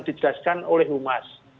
dijelaskan oleh umas